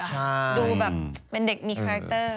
ตั้งแต่เด็กอ่ะดูแบบเป็นเด็กมีคาแรคเตอร์